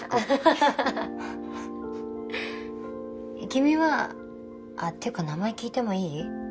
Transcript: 君はあっっていうか名前聞いてもいい？